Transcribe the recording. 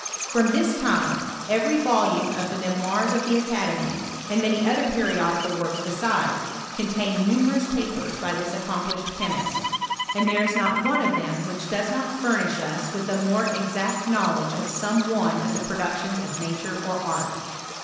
From this time, every volume of the PROGRESS OF ANALYTICAL CHEMISTRY. 195 Memoirs of the Academy, and many other periodi cal works besides, contained numerous papers by this accomplished chemist; and there is not one of them which does not furnish us with a more exact knowledge of some one of the productions of nature or art.